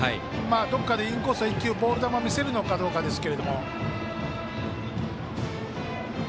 どこかでインコース１球ボール球見せるのかどうかですが。